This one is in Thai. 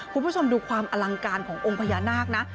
คุณผู้ชมดูความอลังการขององค์พญานาคนะ